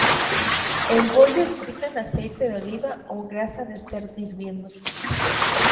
El bollo es frito en aceite de oliva o grasa de cerdo hirviendo.